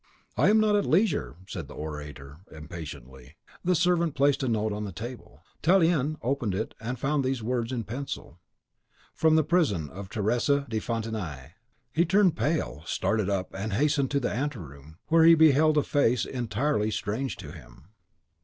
"I am not at leisure," said the orator, impatiently. The servant placed a note on the table. Tallien opened it, and found these words in pencil, "From the prison of Teresa de Fontenai." He turned pale, started up, and hastened to the anteroom, where he beheld a face entirely strange to him.